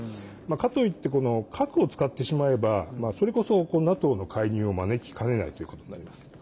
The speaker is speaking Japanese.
かといって核を使ってしまえばそれこそ、ＮＡＴＯの介入を招きかねないということになります。